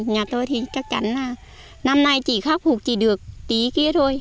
nhà tôi thì chắc chắn là năm nay chỉ khắc phục chỉ được tí kia thôi